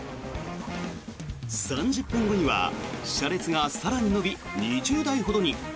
３０分後には車列が更に延び２０台ほどに。